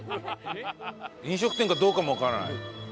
飲食店かどうかもわからない。